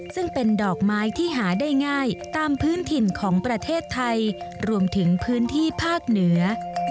ซึ่งเป็นดอกไม้ที่หาได้ง่ายตามพื้นถิ่นของประเทศไทยรวมถึงพื้นที่ภาคเหนือ